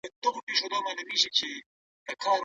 علم د تجربو د تکرار پايله نه ده؟